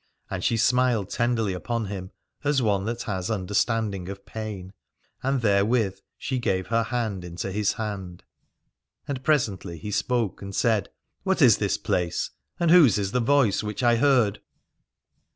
And she smiled tenderly upon him, as one that has understanding of pain, and therewith she gave her hand into his hand : and presently he spoke and said: What is this place, and whose is the voice which I heard